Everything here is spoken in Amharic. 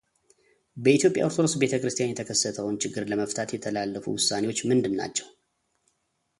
በኢትዮጵያ ኦርቶዶክስ ቤተ ክርስቲያን የተከሰተውን ችግር ለመፍታት የተላለፉ ውሳኔዎች ምንድን ናቸው?